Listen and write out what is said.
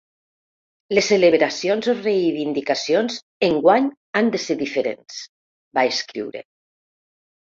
Les celebracions o reivindicacions enguany han de ser diferents, va escriure.